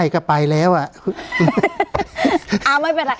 การแสดงความคิดเห็น